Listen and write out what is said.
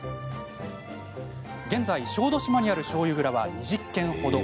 現在、小豆島にあるしょうゆ蔵は２０軒ほど。